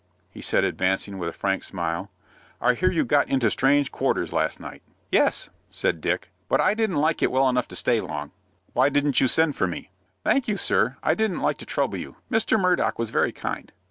he said, advancing, with a frank smile. "I hear you got into strange quarters last night." "Yes," said Dick; "but I didn't like it well enough to stay long." "Why didn't you send for me?" "Thank you, sir, I didn't like to trouble you. Mr. Murdock was very kind."